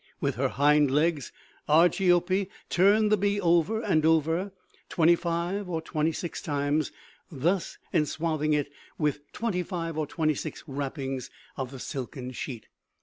] With her hind legs Argiope turned the bee over and over twenty five or twenty six times, thus enswathing it with twenty five or twenty six wrappings of the silken sheet.